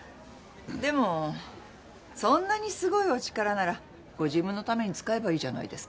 でもそんなにすごいお力ならご自分のために使えばいいじゃないですか。